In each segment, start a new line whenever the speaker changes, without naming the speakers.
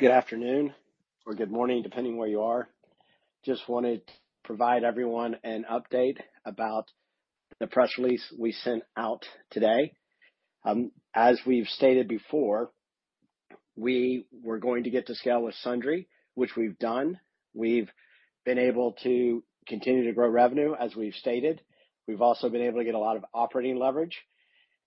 Good afternoon, or good morning, depending on where you are. Just wanted to provide everyone an update about the press release we sent out today. As we've stated before, we were going to get to scale with Sundry, which we've done. We've been able to continue to grow revenue, as we've stated. We've also been able to get a lot of operating leverage,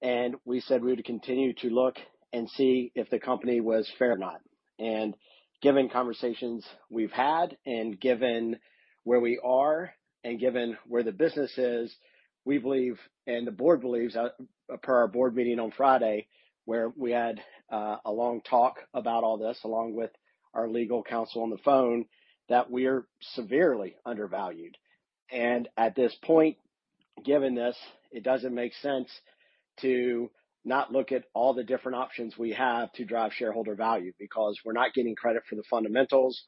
and we said we would continue to look and see if the company was fair or not. And given conversations we've had and given where we are and given where the business is, we believe, and the board believes, per our board meeting on Friday, where we had a long talk about all this, along with our legal counsel on the phone, that we are severely undervalued. At this point, given this, it doesn't make sense to not look at all the different options we have to drive shareholder value, because we're not getting credit for the fundamentals.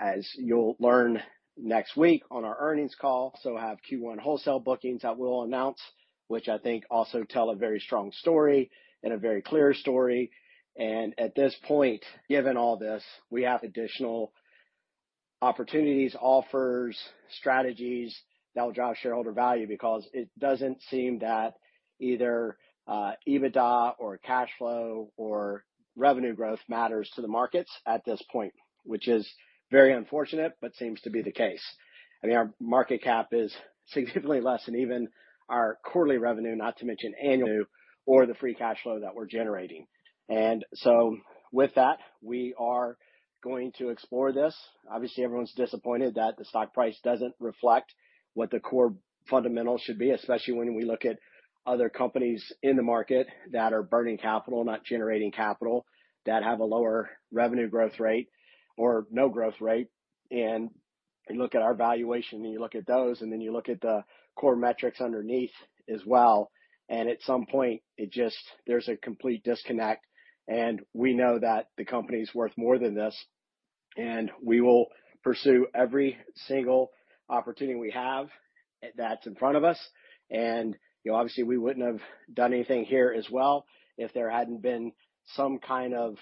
As you'll learn next week on our earnings call, so have Q1 wholesale bookings that we'll announce, which I think also tell a very strong story and a very clear story. At this point, given all this, we have additional opportunities, offers, strategies that will drive shareholder value because it doesn't seem that either, EBITDA or cash flow or revenue growth matters to the markets at this point, which is very unfortunate, but seems to be the case. I mean, our market cap is significantly less than even our quarterly revenue, not to mention annual, or the free cash flow that we're generating. So with that, we are going to explore this. Obviously, everyone's disappointed that the stock price doesn't reflect what the core fundamentals should be, especially when we look at other companies in the market that are burning capital, not generating capital, that have a lower revenue growth rate or no growth rate. And you look at our valuation, and you look at those, and then you look at the core metrics underneath as well, and at some point, it just, there's a complete disconnect, and we know that the company's worth more than this, and we will pursue every single opportunity we have that's in front of us. You know, obviously, we wouldn't have done anything here as well if there hadn't been some kind of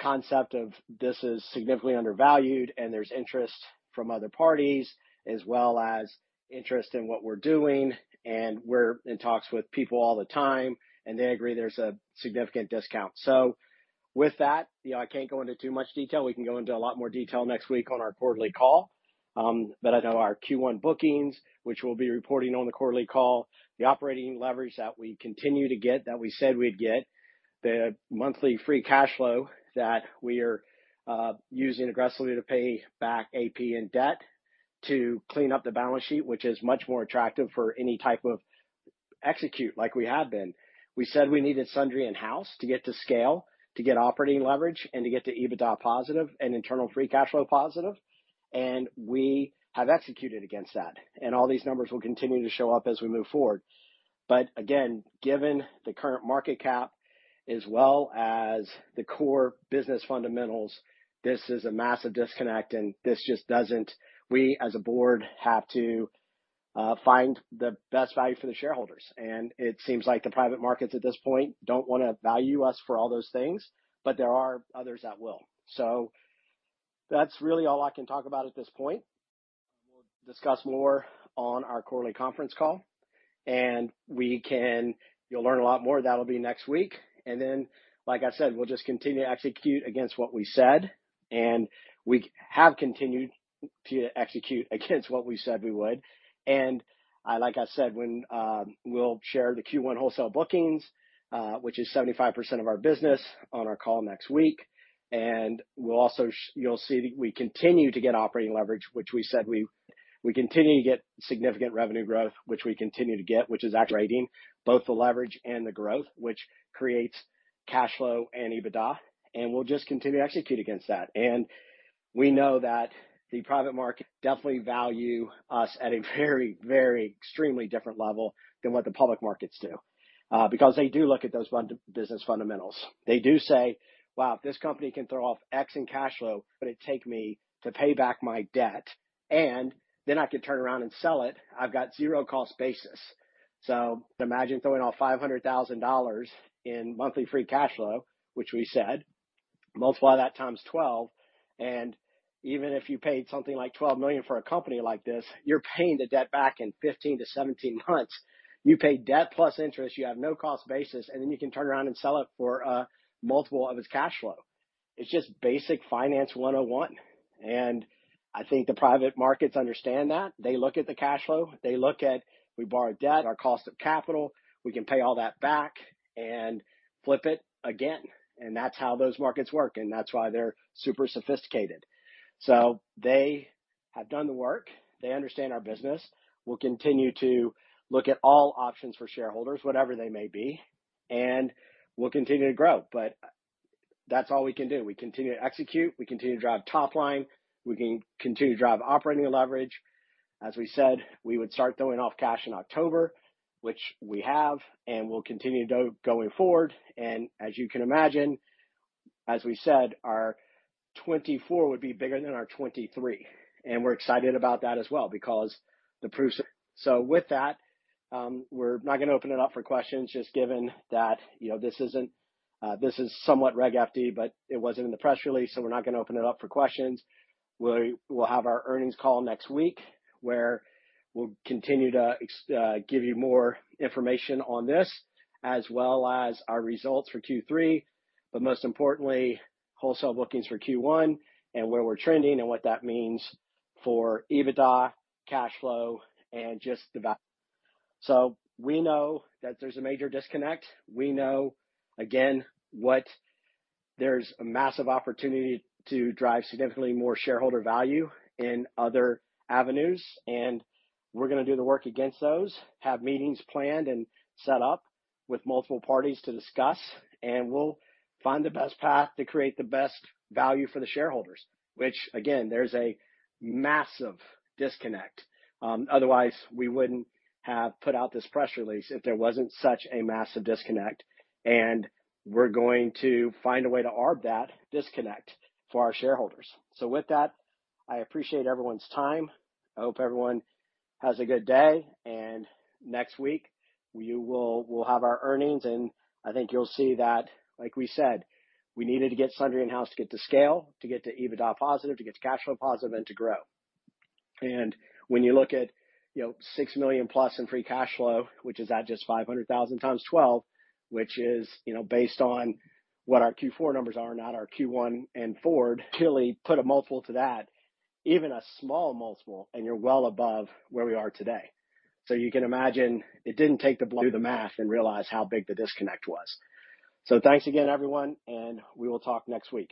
concept of this is significantly undervalued, and there's interest from other parties as well as interest in what we're doing, and we're in talks with people all the time, and they agree there's a significant discount. So with that, you know, I can't go into too much detail. We can go into a lot more detail next week on our quarterly call. But I know our Q1 bookings, which we'll be reporting on the quarterly call, the operating leverage that we continue to get, that we said we'd get, the monthly free cash flow that we are using aggressively to pay back AP and debt to clean up the balance sheet, which is much more attractive for any type of execution like we have been. We said we needed Sundry in-house to get to scale, to get operating leverage and to get to EBITDA positive and internal free cash flow positive, and we have executed against that. All these numbers will continue to show up as we move forward. But again, given the current market cap as well as the core business fundamentals, this is a massive disconnect, and this just doesn't... We, as a board, have to find the best value for the shareholders. And it seems like the private markets at this point don't wanna value us for all those things, but there are others that will. So that's really all I can talk about at this point. We'll discuss more on our quarterly conference call, and we can—you'll learn a lot more. That'll be next week. And then, like I said, we'll just continue to execute against what we said, and we have continued to execute against what we said we would. And, like I said, we'll share the Q1 wholesale bookings, which is 75% of our business, on our call next week. And we'll also, you'll see that we continue to get operating leverage, which we said we continue to get significant revenue growth, which we continue to get, which is actually both the leverage and the growth, which creates cash flow and EBITDA, and we'll just continue to execute against that. And we know that the private market definitely value us at a very, very extremely different level than what the public markets do, because they do look at those business fundamentals. They do say, "Wow, this company can throw off X in cash flow, but it take me to pay back my debt, and then I could turn around and sell it. I've got zero cost basis." So imagine throwing off $500,000 in monthly free cash flow, which we said, multiply that times 12, and even if you paid something like $12 million for a company like this, you're paying the debt back in 15-17 months. You pay debt plus interest, you have no cost basis, and then you can turn around and sell it for a multiple of its cash flow. It's just basic Finance 101, and I think the private markets understand that. They look at the cash flow, they look at we borrowed debt, our cost of capital. We can pay all that back and flip it again, and that's how those markets work, and that's why they're super sophisticated. So they have done the work. They understand our business. We'll continue to look at all options for shareholders, whatever they may be, and we'll continue to grow. But that's all we can do. We continue to execute, we continue to drive top line, we can continue to drive operating leverage. As we said, we would start throwing off cash in October, which we have, and we'll continue going forward. And as you can imagine, as we said, our 2024 would be bigger than our 2023, and we're excited about that as well because the proofs. So with that, we're not gonna open it up for questions, just given that, you know, this isn't, this is somewhat Reg FD, but it wasn't in the press release, so we're not gonna open it up for questions. We'll have our earnings call next week, where we'll continue to give you more information on this, as well as our results for Q3, but most importantly, wholesale bookings for Q1 and where we're trending and what that means for EBITDA, cash flow, and just the value. So we know that there's a major disconnect. We know, again, what there's a massive opportunity to drive significantly more shareholder value in other avenues, and we're gonna do the work against those, have meetings planned and set up with multiple parties to discuss, and we'll find the best path to create the best value for the shareholders. Which, again, there's a massive disconnect. Otherwise, we wouldn't have put out this press release if there wasn't such a massive disconnect, and we're going to find a way to arb that disconnect for our shareholders. So with that, I appreciate everyone's time. I hope everyone has a good day, and next week, we'll have our earnings, and I think you'll see that, like we said, we needed to get Sundry in-house to get to scale, to get to EBITDA positive, to get to cash flow positive, and to grow. And when you look at, you know, $6 million+ in free cash flow, which is at just $500,000 × 12, which is, you know, based on what our Q4 numbers are, not our Q1 and forward, really put a multiple to that, even a small multiple, and you're well above where we are today. So you can imagine it didn't take long to do the math and realize how big the disconnect was. So thanks again, everyone, and we will talk next week.